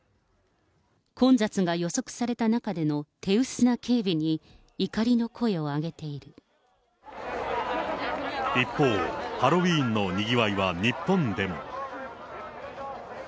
混雑が予測された中での手薄な警備に、一方、ハロウィーンのにぎわいは日本でも。